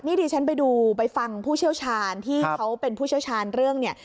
นี่ดิฉันไปดูไปฟังผู้เชี่ยวชาญที่เขาเป็นผู้เชี่ยวชาญเรื่องเนี่ย